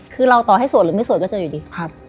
คือเราต่อให้สวดหรือไม่สวดก็เจออยู่ดี